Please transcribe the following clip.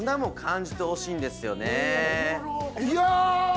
いや！